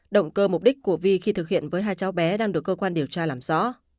động cơ mục đích của vi khi thực hiện với hai cháu bé đang được cơ quan điều tra làm rõ